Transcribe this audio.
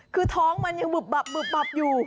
คือท้องมันยังบึบบับอยู่